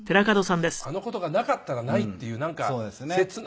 あの事がなかったらないっていうなんか切ない感じが。